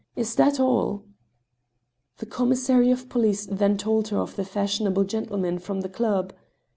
Is that all ?" The commissary of police then told her of the fashionable gen tlemen from the club.